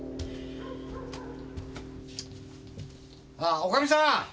あ女将さん！